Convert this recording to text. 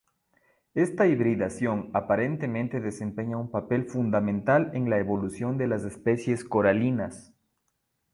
Esta hibridación aparentemente desempeña un papel fundamental en la evolución de las especies coralinas.